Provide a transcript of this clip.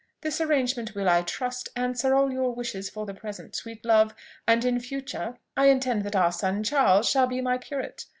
This arrangement will, I trust, answer all your wishes for the present, sweet love; and in future I intend that our son Charles shall be my curate.